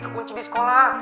kekunci di sekolah